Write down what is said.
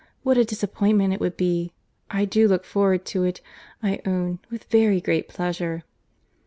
What a disappointment it would be! I do look forward to it, I own, with very great pleasure."